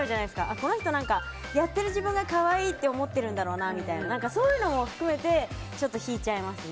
この人やってる自分が可愛いって思ってるんだろうなとかそういうのも含めてちょっと引いちゃいますね。